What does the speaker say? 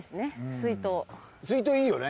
水筒いいよね。